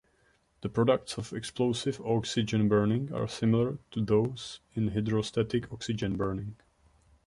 The products of explosive oxygen burning are similar to those in hydrostatic oxygen burning.